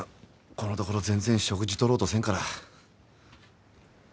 このところ全然食事取ろうとせんから。